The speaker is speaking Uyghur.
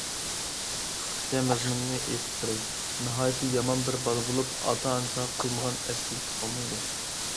قىسقىچە مەزمۇنىنى ئېيتىپ بېرەي: ناھايىتى يامان بىر بالا بولۇپ، ئاتا- ئانىسىغا قىلمىغان ئەسكىلىكى قالمايدۇ.